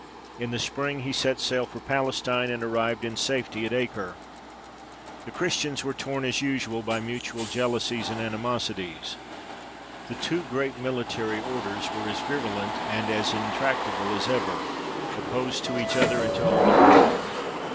In the spring he set sail for Palestine, and arrived in safety at Acre. The Christians were torn, as usual, by mutual jealousies and animosities. The two great military orders were as virulent and as intractable as ever; opposed to each other, and to all the world.